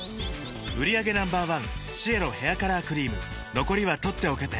売上№１シエロヘアカラークリーム残りは取っておけて